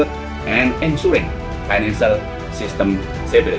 dan menjaga stabilitas sistem finansial